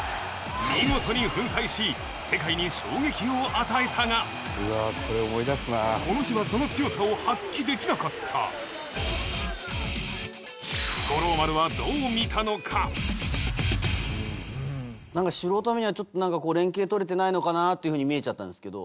見事に粉砕し世界に衝撃を与えたがこの日はその強さを発揮できなかった素人目にはちょっと連係取れてないのかなっていうふうに見えちゃったんですけど。